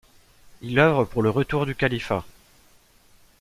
Il œuvre pour le retour du califat.